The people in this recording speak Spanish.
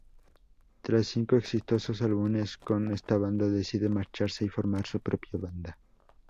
Tras cinco exitosos álbumes con esta banda, decide marcharse y formar su propia banda.